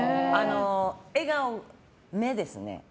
笑顔、目ですね。